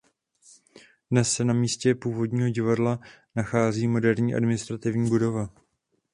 Dnes se na místě původního divadla nachází moderní administrativní budova.